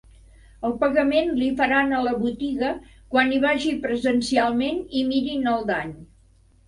El pagament li faran a la botiga quan hi vagi presencialment i mirin el dany.